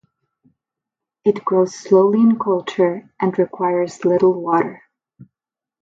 It grows slowly in culture and requires little water.